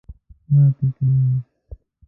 ماتې کړې.